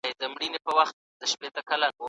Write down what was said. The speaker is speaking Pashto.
که مجازي بحث ترسره سي، فکر نه محدودېږي.